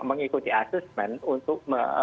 mengikuti assessment untuk